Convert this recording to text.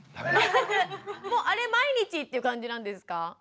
もうあれ毎日っていう感じなんですか？